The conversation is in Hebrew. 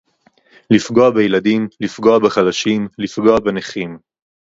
לפגוע בילדים, לפגוע בחלשים, לפגוע בנכים